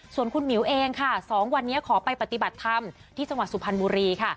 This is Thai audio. ส่วนคุณหมิวเองค่ะ๒วันนี้ขอไปปฏิบัติธรรมที่จังหวัดสุพรรณบุรีค่ะ